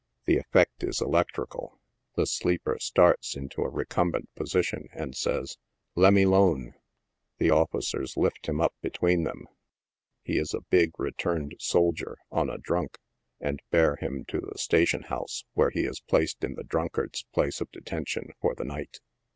The effect is electrical ; the sleeper starts into a recumbent position, and says, " le' me 'lone." The officers lift him up between them— he is a big returned soldier, " on a drunk" — and bear him to the station house, where he is placed in the drunkard's place of detention for the night.